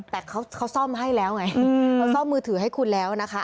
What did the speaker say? แต่เขาซ่อมให้แล้วไงเขาซ่อมมือถือให้คุณแล้วนะคะ